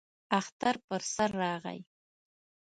اختر پر سر راغی.